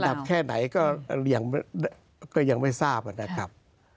แค่ไหนก็ยังไม่ทราบนะครับ